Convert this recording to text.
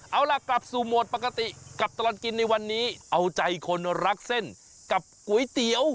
เอาล่ะกลับสู่โหมดปกติกับตลอดกินในวันนี้เอาใจคนรักเส้นกับก๋วยเตี๋ยว